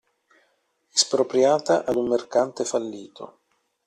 Espropriata ad un mercante fallito.